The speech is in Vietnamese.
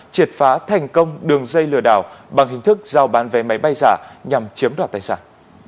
triệt phá thành công đường dây lừa đảo bằng hình thức giao bán vé máy bay giả nhằm chiếm đoạt tài sản